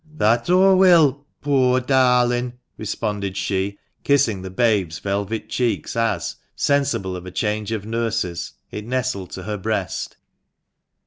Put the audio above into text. •" That aw will, poor darlin' !" responded she, kissing the babe's velvet cheeks as, sensible of a change of nurses, it nestled to her breast.